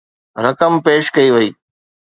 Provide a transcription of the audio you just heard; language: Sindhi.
رقم پيش ڪئي وئي.